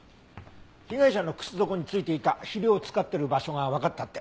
被害者の靴底に付いていた肥料を使ってる場所がわかったって。